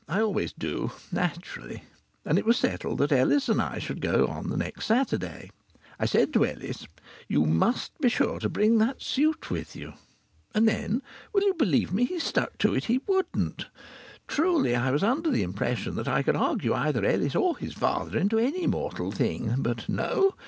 I always do, naturally. And it was settled that Ellis and I should go on the next Saturday. I said to Ellis: "You must be sure to bring that suit with you." And then will you believe me? he stuck to it he wouldn't! Truly I was under the impression that I could argue either Ellis or his father into any mortal thing. But no!